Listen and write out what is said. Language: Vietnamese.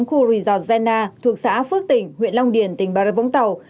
khu resort zena thuộc xã phước tỉnh huyện long điển tỉnh bà rất vũng tàu